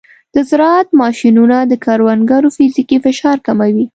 د زراعت ماشینونه د کروندګرو فزیکي فشار کموي.